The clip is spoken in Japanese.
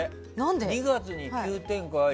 ２月に急展開あり。